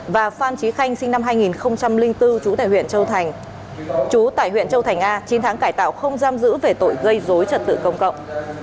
và phan trí khanh sinh năm hai nghìn bốn chú tại huyện châu thành a chín tháng cải tạo không giam giữ về tội gây dối trật tự công cộng